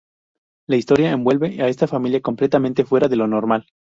La historia envuelve a esta familia completamente fuera de lo normal.